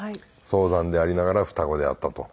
早産でありながら双子であったと。